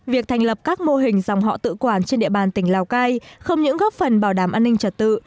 việc thành lập các mô hình dòng họ tự quản trên địa bàn tỉnh lào cai không những góp phần bảo đảm an ninh trật tự